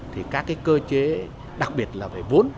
thì các cơ chế đặc biệt là về vốn